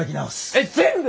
えっ全部！？